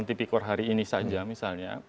tipikor hari ini saja misalnya